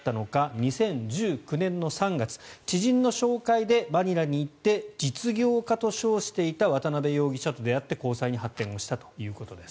２０１９年の３月知人の紹介でマニラに行って実業家と称していた渡邉容疑者と出会って交際に発展をしたということです。